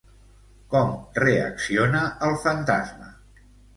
Com reacciona el fantasma?